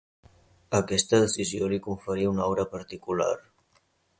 Aquesta decisió li conferí una aura particular.